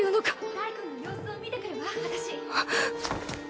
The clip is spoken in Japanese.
ダイくんの様子を見てくるわ私。